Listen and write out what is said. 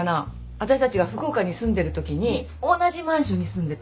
私たちが福岡に住んでる時に同じマンションに住んでた。